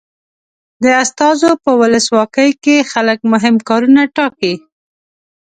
د استازو په ولسواکي کې خلک مهم کارونه ټاکي.